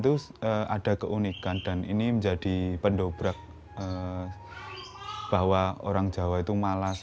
itu ada keunikan dan ini menjadi pendobrak bahwa orang jawa itu malas